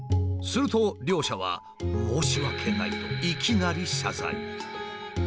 すると両社は「申し訳ない」といきなり謝罪。